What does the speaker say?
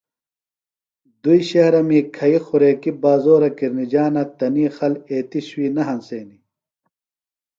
دُئی شہرہ می کھیئی خوریکیۡ بازورہ کِرنِجانہ تنی خل ایتیۡ شُوئی نہ ہنسینیۡ۔